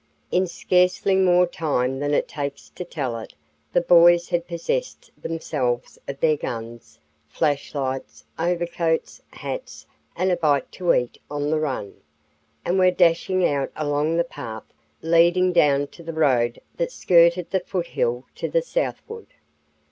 In scarcely more time than it takes to tell it, the boys had possessed themselves of their guns, flashlights, overcoats, hats, and "a bite to eat on the run," and were dashing out along the path leading down to the road that skirted the foothill to the southward.